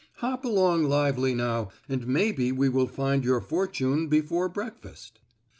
Hop along lively now and maybe we will find your fortune before breakfast."